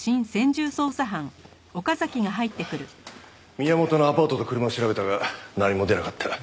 宮本のアパートと車を調べたが何も出なかった。